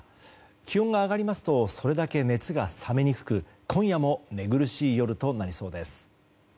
気温が上がりますとそれだけ熱が冷めにくく今夜も寝苦しい夜となりそうです。